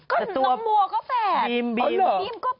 ก็น้องมัวก็แฝด